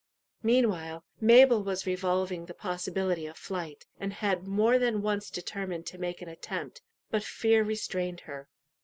Meanwhile Mabel was revolving the possibility of flight, and had more than once determined to make an attempt, but fear restrained her.